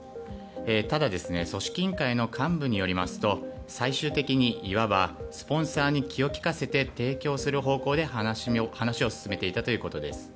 ただ、組織委員会の幹部によりますと最終的にいわば、スポンサーに気を利かせて提供する方向で話を進めていたということです。